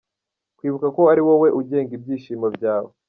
Kwibuka ko ari wowe ugenga ibyishimo byawe.